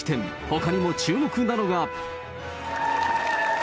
ほかにも注目なのが。